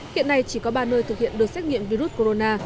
hiện nay chỉ có ba nơi thực hiện được xét nghiệm virus corona